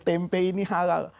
tempe ini halal